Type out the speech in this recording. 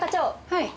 はい。